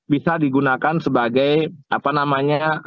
bisa digunakan sebagai apa namanya